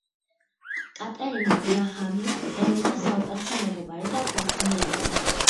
კატერინა გრაჰამი, ელენას საუკეთესო მეგობარი და გრძნეული.